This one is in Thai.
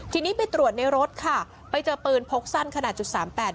ทีนี้ไปตรวจในรถค่ะไปเจอปืนพกซั่นขนาด๐๓๘